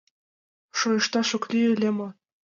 — Шойышташ ок лий ыле мо?